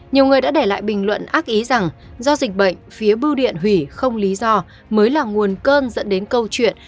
nhiều người đã để lại bình luận ác ý rằng do dịch bệnh phía bưu điện hủy không lý do mới là nguồn cơn dẫn đến câu chuyện